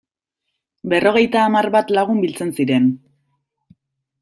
Berrogeita hamar bat lagun biltzen ziren.